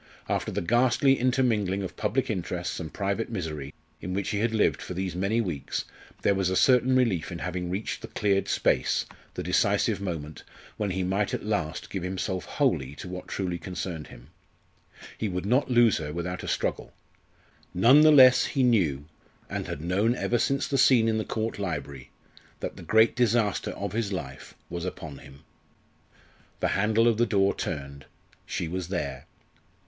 After the ghastly intermingling of public interests and private misery in which he had lived for these many weeks there was a certain relief in having reached the cleared space the decisive moment when he might at last give himself wholly to what truly concerned him. He would not lose her without a struggle. None the less he knew, and had known ever since the scene in the Court library, that the great disaster of his life was upon him. The handle of the door turned. She was there.